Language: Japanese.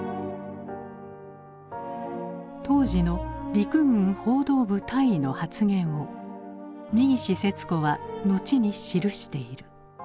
当時の陸軍報道部大尉の発言を三岸節子は後に記している。